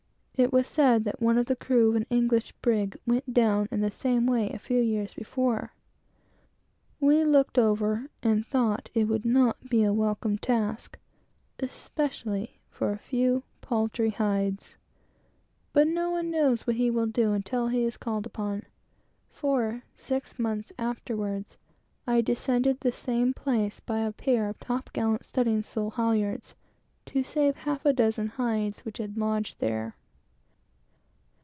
It was said that one of the crew of an English brig went down in the same way, a few years before. We looked over, and thought it would not be a welcome task, especially for a few paltry hides; but no one knows what he can do until he is called upon; for, six months afterwards, I went down the same place by a pair of top gallant studding sail halyards, to save a half a dozen hides which had lodged there.